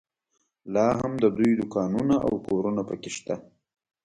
لا هم د دوی دوکانونه او کورونه په کې شته.